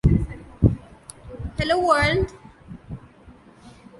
They divorced.